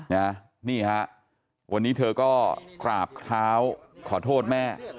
นี่ฮะวันนี้เธอก็กราบเท้าขอโทษแม่